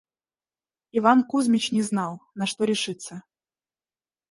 Иван Кузмич не знал, на что решиться.